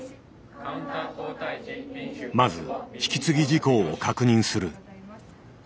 まず引き継ぎ事項を確認する。